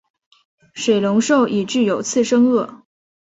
水龙兽已具有次生腭。